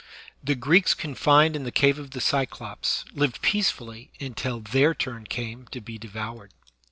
The Greeks confined in the cave of the Cyclops lived peacefully until their turn came to be devoured.